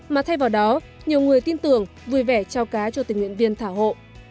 mà thay vào đó nhiều người tin tưởng vui vẻ trao cá cho tình nguyện viên thả hộ